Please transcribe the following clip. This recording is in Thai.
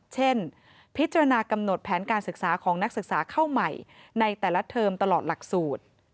เช่นพิจารณากำหนดแผนการศึกษาของนักศึกษาเข้าใหม่ในแต่ละเทอมตลอดหลักสูตร